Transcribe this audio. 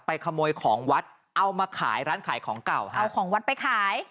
ขโมยของวัดเอามาขายร้านขายของเก่าฮะเอาของวัดไปขาย